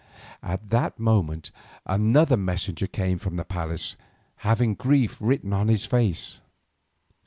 At that moment another messenger came from the palace, having grief written on his face.